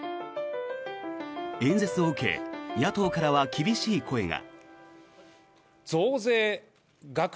演説を受け野党からは厳しい声が。